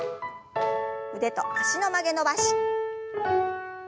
腕と脚の曲げ伸ばし。